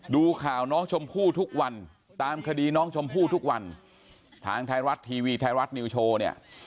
ดูข่าวน้องชมพู่ทุกวันตามคดีน้องชมพู่ทุกวันทางไทยรัฐทีวีไทยรัฐนิวโชว์เนี่ย